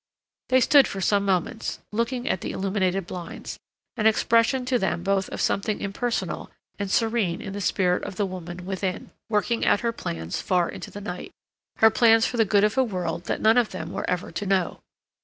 They stood for some moments, looking at the illuminated blinds, an expression to them both of something impersonal and serene in the spirit of the woman within, working out her plans far into the night—her plans for the good of a world that none of them were ever to know.